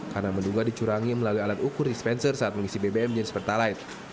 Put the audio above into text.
karena menduga dicurangi melalui alat ukur dispenser saat mengisi bbm jenis pertalite